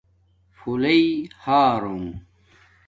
پھولݶئ ہݳرُنگ